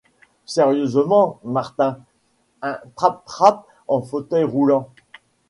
Sérieusement, Martin, un trap’trap’ en fauteuil roulant ?